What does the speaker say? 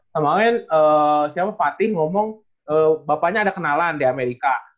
kemarin siapa fatih ngomong bapaknya ada kenalan di amerika